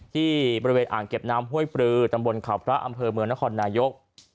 ที่บริเวณอ่างเก็บน้ำห้วยปลือตำบลข่าวพระอำเภอเมืองนครนายก